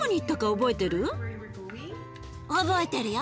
覚えてるよ。